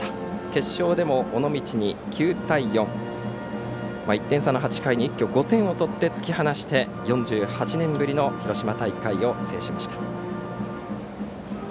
決勝でも、尾道に９対４と１点差の８回で一挙５点を取って突き放して、４８年ぶりに広島大会を制しました。